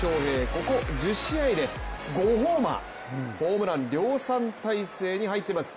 ここ１０試合で５ホーマー、ホームラン量産体制に入ってます。